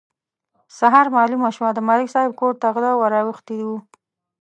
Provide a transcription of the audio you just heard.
سهار مالومه شوه: د ملک صاحب کور ته غله ور اوښتي وو.